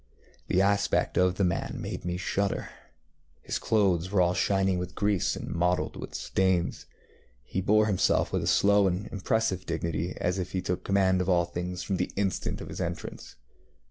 The aspect of the man made me shudder. His clothes were all shining with grease and mottled with stains. He bore himself with a slow and impressive dignity, as if he took command of all things from the instant of his entrance.